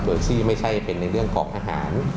โดยที่ไม่ใช่เป็นในเรื่องของทหาร